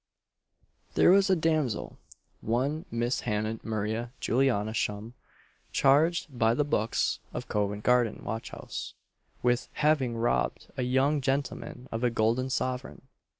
There was a damsel one Miss Hannah Maria Juliana Shum, charged by the books of Covent Garden watch house, with having robbed a young gentleman of a golden sovereign.